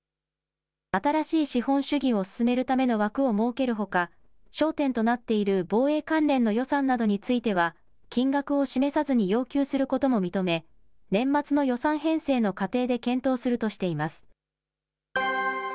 新しい資本主義を進めるための枠を設けるほか、焦点となっている防衛関連の予算などについては、金額を示さずに要求することも認め、年末の予算編成の過程で検討するとしています。